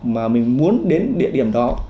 mà mình muốn đến địa điểm đó